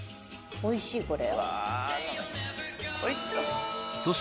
おいしいこれ。